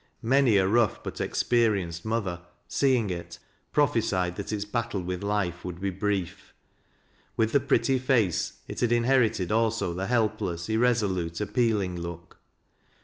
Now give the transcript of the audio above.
Many a roagh but experienced mother, seeing it, prophesied that its battle with life would be brief. With the pretty face, it had inherited also the help less, irresolute, appealing look.